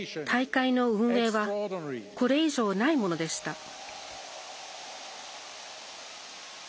大会の運営はこれ以上ないものでした。